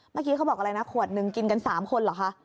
เมื่อกี้เขาบอกอะไรนะขวดหนึ่งกินกัน๓คนเหรอคะ